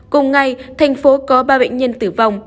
cùng ngày thành phố có ba bệnh nhân tử vong